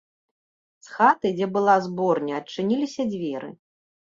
З хаты, дзе была зборня, адчыніліся дзверы.